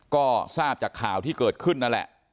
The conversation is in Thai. ก็ทราบจากข่าวที่เกิดขึ้นนั่นแหละ